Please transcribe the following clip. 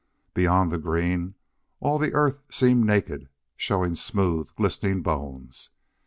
Beyond the green all the earth seemed naked, showing smooth, glistening bones.